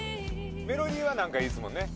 メロディーはなんかいいですもんね